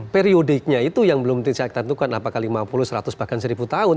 periodiknya itu yang belum saya tentukan apakah lima puluh seratus bahkan seribu tahun